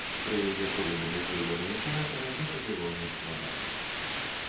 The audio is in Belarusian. Пры яе поўным уплыве на імператара гэта было нескладана.